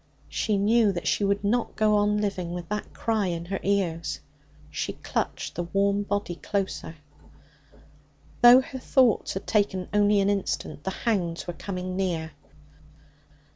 She knew that she could not go on living with that cry in her ears. She clutched the warm body closer. Though her thoughts had taken only an instant, the hounds were coming near.